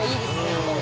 やっぱり。